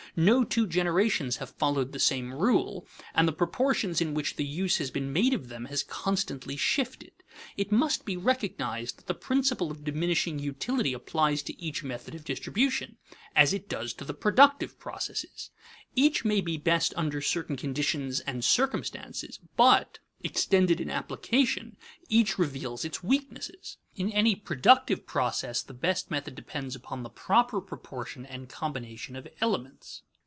No two generations have followed the same rule, and the proportions in which use has been made of them has constantly shifted. It must be recognized that the principle of diminishing utility applies to each method of distribution as it does to the productive processes. Each may be best under certain conditions and circumstances, but, extended in application, each reveals its weaknesses. In any productive process the best method depends upon the proper proportion and combination of elements.